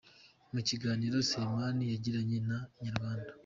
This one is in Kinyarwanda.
Mu kiganiro Selemani yagiranye na Inyarwanda.